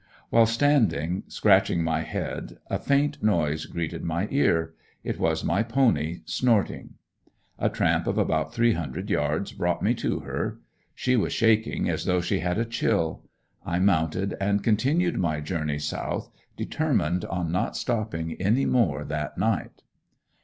While standing scratching my head a faint noise greeted my ear; it was my pony snorting. A tramp of about three hundred yards brought me to her. She was shaking as though she had a chill. I mounted and continued my journey south, determined on not stopping any more that night.